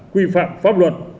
quy phạm pháp luật